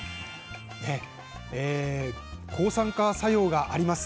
抗酸化作用があります。